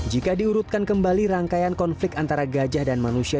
jika diurutkan kembali rangkaian konflik antara gajah dan manusia